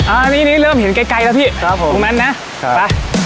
อันนี้นี่เริ่มเห็นไกลแล้วพี่ครับผมตรงนั้นนะครับไป